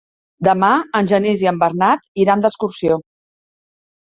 Demà en Genís i en Bernat iran d'excursió.